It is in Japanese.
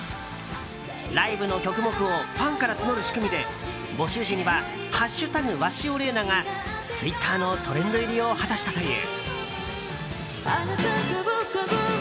ライブの曲目をファンから募る仕組みで募集時には「＃鷲尾伶菜」がツイッターのトレンド入りしたという。